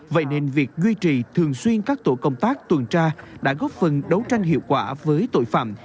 vậy nên việc duy trì thường xuyên các tổ công tác tuần tra đã góp phần đấu tranh hiệu quả với tội phạm